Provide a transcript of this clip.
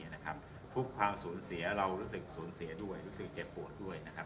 ทุกความสูญเสียเรารู้สึกสูญเสียด้วยรู้สึกเจ็บปวดด้วยนะครับ